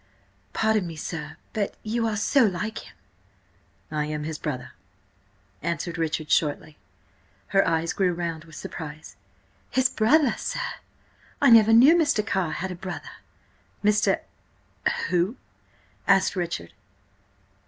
"Pardon me, sir–but you are so like him!" "I am his brother," answered Richard shortly. Her eyes grew round with surprise. "His brother, sir? I never knew Mr. Carr had a brother!" "Mr.—who?" asked Richard.